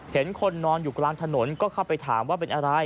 เห็นคนนอนอยู่กลางถนนก็เข้าไปถามว่าเป็นอะไร